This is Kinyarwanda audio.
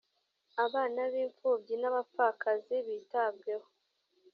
abana b’imfubyi n’ abapfakazi bitabweho